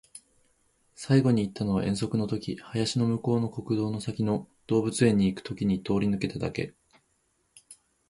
最後に行ったのは遠足の時、林の向こうの国道の先の動物園に行く時に通り抜けただけ